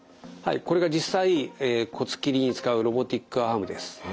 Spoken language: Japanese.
これが実際骨切りに使うロボティックアームです。